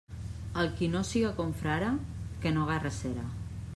El qui no siga confrare, que no agarre cera.